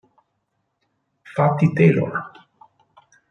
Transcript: Fatty Taylor